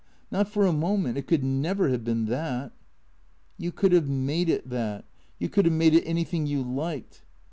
Not for a moment. It could never have been thatJ' "You could have made it that. You could have made it anything you liked.